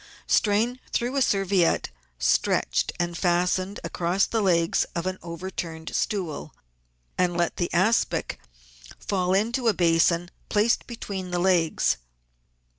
Strain through a serviette stretched and fastened across the legs of an overturned stool, and let the aspic fall into a basin placed between the legs.